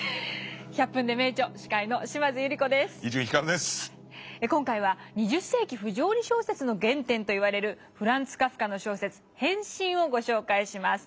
「１００分ｄｅ名著」司会の今回は「２０世紀不条理小説の原点」と言われるフランツ・カフカの小説「変身」をご紹介します。